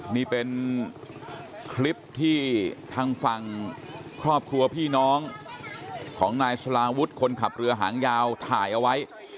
นี่เป็นคลิปที่ทางฝั่งครอบครัวพี่น้องของนายสลาวุฒิคนขับเรือหางยาวถ่ายเอาไว้